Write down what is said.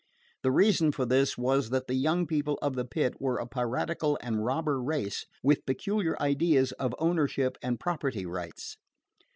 The reason for this was the young people of the Pit were a piratical and robber race with peculiar ideas of ownership and property rights.